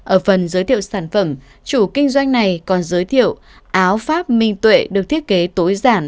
ở phần giới thiệu sản phẩm chủ kinh doanh này còn giới thiệu áo pháp minh tuệ được thiết kế tối giản